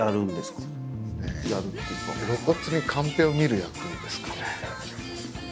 露骨にカンペを見る役ですかね。